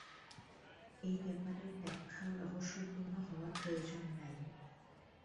এই ব্যাপারের ব্যাখ্যাও রহস্যপূর্ণ হওয়ার প্রয়োজন নাই।